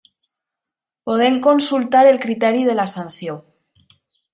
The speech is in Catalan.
Podent consultar el criteri de la sanció.